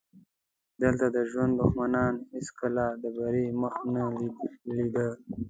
دلته د ژوند دښمنانو هېڅکله د بري مخ نه دی لیدلی.